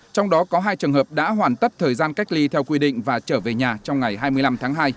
trong đó có hai trường hợp đã hoàn tất thời gian cách ly theo quy định và trở về nhà trong ngày hai mươi năm tháng hai